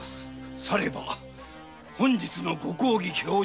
されば本日のご公儀評定は？